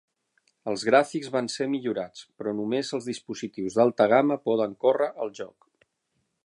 Els gràfics van ser millorats, però només els dispositius d'alta gamma poden córrer el joc.